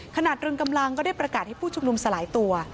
ขนาดเริ่มกำลังก็ได้ประกาศให้ผู้ชมนุมสลายตัว